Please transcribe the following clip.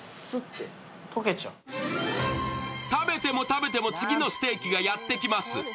食べても食べても次のステーキがやってきます。